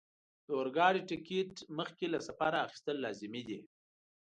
د اورګاډي ټکټ مخکې له سفره اخیستل لازمي دي.